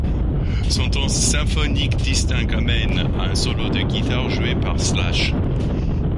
Son ton symphonique distinct amène à un solo de guitare joué par Slash.